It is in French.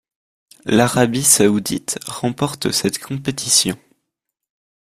L'Arabie saoudite remporte cette compétition.